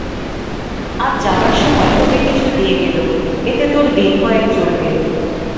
আজ যাবার সময় তোকে কিছু দিয়ে গেলুম, এতে তোর দিনকয়েক চলবে।